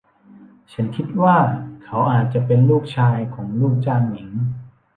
ฉันคิดว่าเขาอาจจะเป็นลูกชายของลูกจ้างหญิง